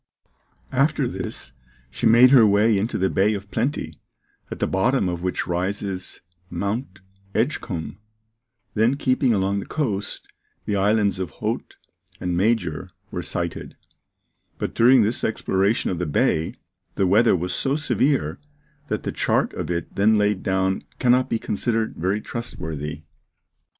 After this, she made her way into the Bay of Plenty, at the bottom of which rises Mount Edgecumbe; then keeping along the coast, the islands of Haute and Major were sighted; but during this exploration of the bay, the weather was so severe that the chart of it then laid down cannot be considered very trustworthy.